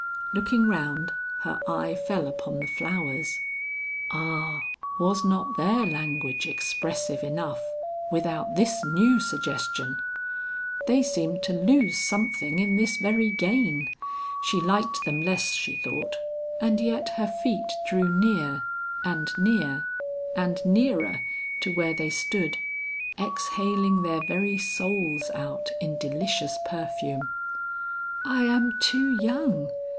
Looking round, her eye fell upon the flowers. Ah, was not their language expressive enough, without this new suggestion? They seemed to lose something in this very gain. She liked them less she thought, and yet her feet drew near, and near, and nearer, to where they stood, exhaling their very souls out in delicious perfume. "I am too young!"